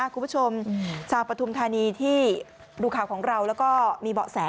คุณผู้ชมชาวปฐุมธานีที่ดูข่าวของเราแล้วก็มีเบาะแส